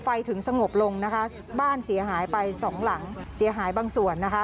ถึงสงบลงนะคะบ้านเสียหายไปสองหลังเสียหายบางส่วนนะคะ